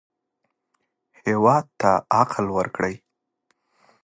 هېواد ته عقل ورکړئ